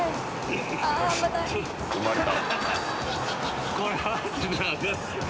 「生まれた」